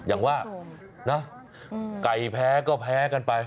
อย่างว่านะไก่แพ้ก็แพ้กันไป